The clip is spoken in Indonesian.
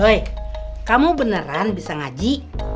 weh kamu beneran bisa ngaji